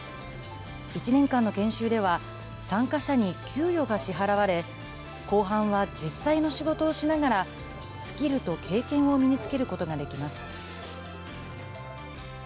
１年間の研修では、参加者に給与が支払われ、後半は実際の仕事をしながら、スキルと経験を身につけることができます。